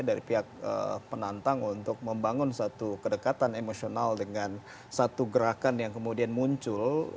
dari pihak penantang untuk membangun satu kedekatan emosional dengan satu gerakan yang kemudian muncul